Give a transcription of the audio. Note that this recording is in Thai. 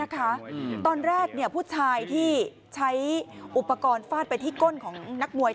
ทีเดียวทีเดียวทีเดียว